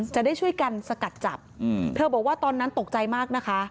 จะได้ช่วยกันสกัดจับเธอบอกว่าตอนนั้นตกใจมากนะคะ